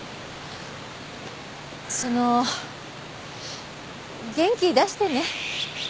その元気出してね。